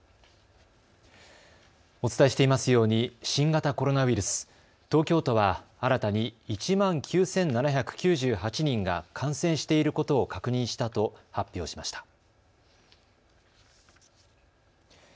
お伝えしていますように新型コロナウイルス、東京都は新たに１万９７９８人が感染していることを確認したと発表しました。